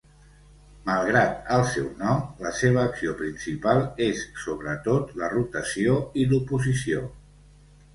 Malgrat el seu nom, la seva acció principal és sobretot la rotació i l'oposició.